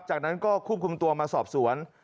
จากนั้นก็ควบคุมตัวมาสอบสวน